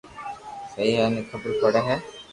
سھي ھي ني خبر پڙي ھي